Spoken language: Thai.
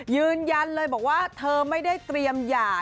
ยืนยันเลยบอกว่าเธอไม่ได้เตรียมหย่า